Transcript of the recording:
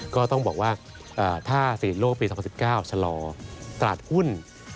ก็ต้องบอกว่าถ้า๔โลกปี๒๐๑๙ชะลอตลาดหุ้น